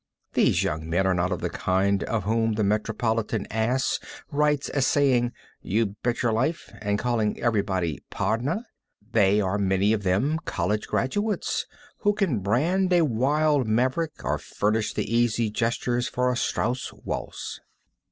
These young men are not of the kind of whom the metropolitan ass writes as saying "youbetcherlife," and calling everybody "pardner." They are many of them college graduates, who can brand a wild Maverick or furnish the easy gestures for a Strauss waltz.